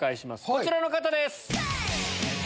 こちらの方です。